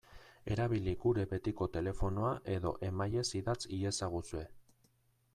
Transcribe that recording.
Erabili gure betiko telefonoa edo emailez idatz iezaguzue.